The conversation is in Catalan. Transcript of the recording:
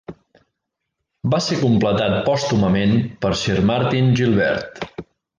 Va ser completat pòstumament per Sir Martin Gilbert.